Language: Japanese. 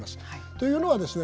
というのはですね